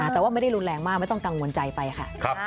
แต่ว่าไม่ได้รุนแรงมากไม่ต้องกังวลใจไปค่ะ